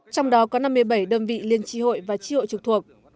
trong đó có năm mươi bảy đơn vị liên tri hội và tri hội trực thuộc